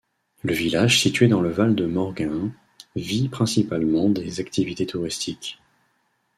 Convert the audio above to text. Le village situé dans le Val de Morgins vit principalement des activités touristiques.